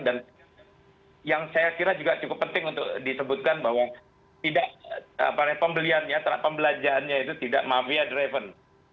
dan yang saya kira juga cukup penting untuk disebutkan bahwa pembeliannya pembelanjaannya itu tidak mafia driven